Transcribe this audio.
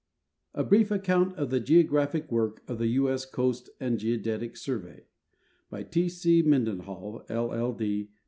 A BRIEF ACCOUNT OF THE GEOGRAPHIC WORK OF THE U. S. COAST AND GEODETIC SURVEY* By T. C. MendeiXHAll, LL.